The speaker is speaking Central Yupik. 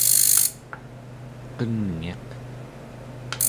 qenngiq